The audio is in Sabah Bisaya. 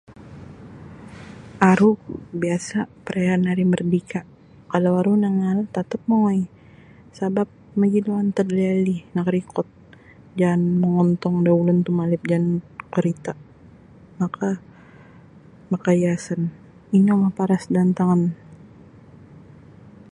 Aru biasa perayaan hari merdeka kalau aru nangaal tatap mongoi sabab magilo antad liali nakarikot jaan mongontong ulun tumalib jaan karita maka maka hiasan ino malaparas da antangan.